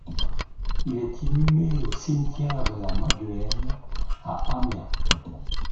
Il est inhumé au cimetière de la Madelaine à Amiens.